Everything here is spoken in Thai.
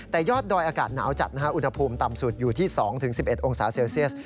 แต่ยอดดอยอากาศหนาวจัดนะฮะอุณหภูมิต่ำสุดอยู่ที่๒๑๑องศาเซลเซียส